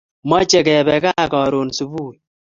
Mache kepe gaa karun subui